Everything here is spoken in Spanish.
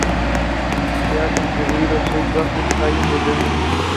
Se han construido seis bases Halley desde su inicio.